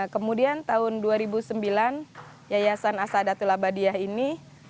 kemudian tahun dua ribu sembilan yayasan asadatul abadiah ini